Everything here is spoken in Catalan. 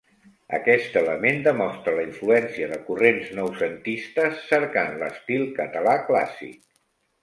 Aquest element demostra la influència de corrents noucentistes cercant l'estil català clàssic.